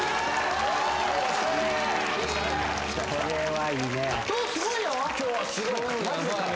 これはいいね